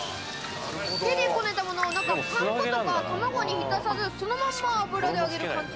手でこねたものを何かパン粉とか卵に浸さずそのまんま油で揚げる感じ。